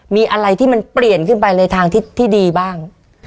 มีอะไรที่มันเปลี่ยนขึ้นไปในทางที่ดีบ้าง